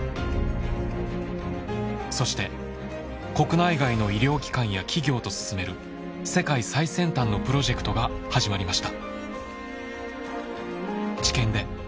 そして国内外の医療機関や企業と進める世界最先端のプロジェクトが始まりました。